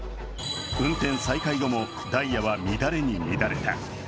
運転再開後もダイヤは乱れに乱れた。